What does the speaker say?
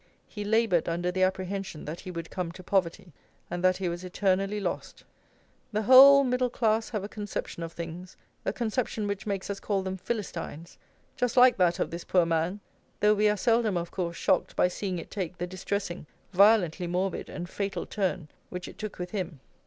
"He laboured under the apprehension that he would come to poverty, and that he was eternally lost." The whole middle class have a conception of things, a conception which makes us call them Philistines, just like that of this poor man; though we are seldom, of course, shocked by seeing it take the distressing, violently morbid, and fatal turn, which it took with him.